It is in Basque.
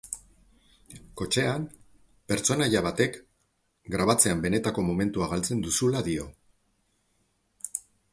Kotxean, pertsonaia batek, grabatzean benetako momentua galtzen duzula dio.